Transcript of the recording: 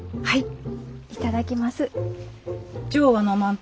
はい。